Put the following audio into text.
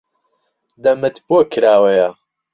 دەمت بۆ کراوەیە؟